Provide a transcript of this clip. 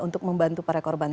untuk membantu para korban